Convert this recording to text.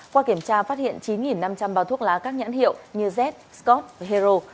qua kiểm tra phát hiện chín năm trăm linh bao thuốc lá các nhãn hiệu như z scott hero